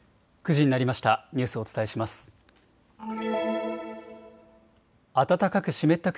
９時になりました。